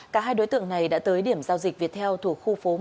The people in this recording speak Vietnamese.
cả hai đối tượng này đã tới điểm giao dịch viettel thuộc khu phố một